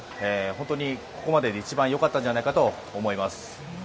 本当にここまでで一番良かったんじゃないかと思います。